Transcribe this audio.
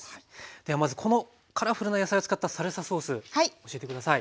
ではまずこのカラフルな野菜を使ったサルサソース教えて下さい。